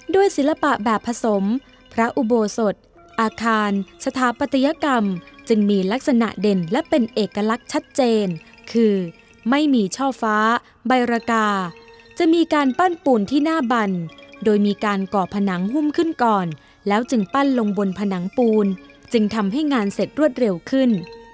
ศิลปะแบบผสมพระอุโบสถอาคารสถาปัตยกรรมจึงมีลักษณะเด่นและเป็นเอกลักษณ์ชัดเจนคือไม่มีช่อฟ้าใบรกาจะมีการปั้นปูนที่หน้าบันโดยมีการก่อผนังหุ้มขึ้นก่อนแล้วจึงปั้นลงบนผนังปูนจึงทำให้งานเสร็จรวดเร็วขึ้น